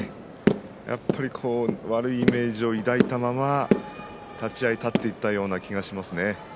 やっぱり悪いイメージを抱いたまま立ち合い立っていったような気がしますね。